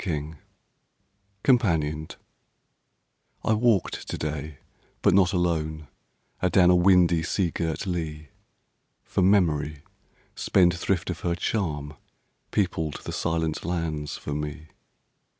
135 COMPANIONED I WALKED to day, but not alone, Adown a windy, sea girt lea, For memory, spendthrift of her charm, Peopled the silent lands for me.